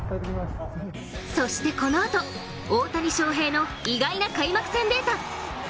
そしてこのあと、大谷翔平の意外な開幕戦データ。